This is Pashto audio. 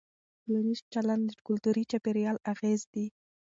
ټولنیز چلند د کلتوري چاپېریال اغېز دی.